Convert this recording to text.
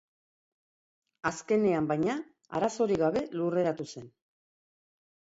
Azkenean, baina, arazorik gabe lurreratu zen.